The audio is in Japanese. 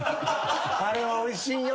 あれはおいしいんよ。